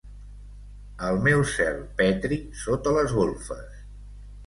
El meu cel petri sota les golfes.